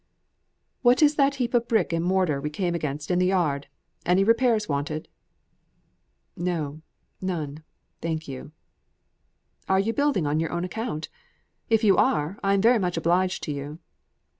"What is that heap of brick and mortar we came against in the yard? Any repairs wanted?" "No, none, thank you." "Are you building on your own account? If you are, I'm very much obliged to you."